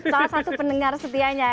salah satu pendengar setianya